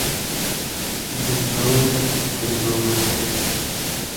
گوزرۉ گوزرۉ